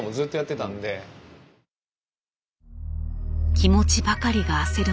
気持ちばかりが焦る